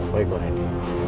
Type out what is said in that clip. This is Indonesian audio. baik pak reddy